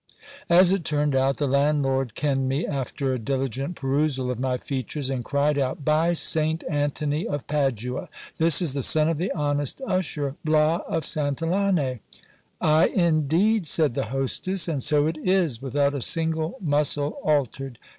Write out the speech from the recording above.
As it turned out, the landlord kenned me after a dili gent perusal of my features, and cried out : By Saint Antony of Padua ! this is the son of the honest usher, Bias of Santillane. Ay, indeed ! said the hostess ; and so it is : without a single muscle altered